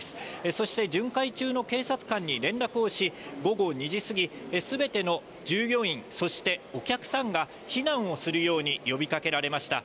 そして、巡回中の警察官に連絡をし、午後２時過ぎ、すべての従業員、そしてお客さんが避難をするように呼びかけられました。